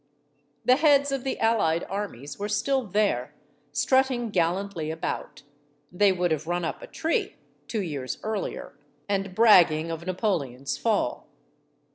The heads of the allied armies were still there, strutting gallantly about they would have run up a tree, two years earlier and bragging of Napoleon's fall.